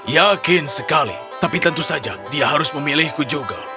yakin sekali tapi tentu saja dia harus memilihku juga